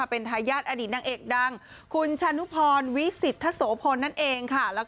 เป็นทายชาติอดีตนางเอกดังคุณชนุพรวิสิตทะโสพล